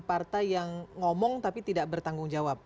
partai yang ngomong tapi tidak bertanggung jawab